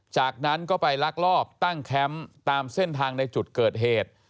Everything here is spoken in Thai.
จากนั้นก็ไปลักลอบตั้งแคมป์ตามเส้นทางในจุดเกิดเหตุ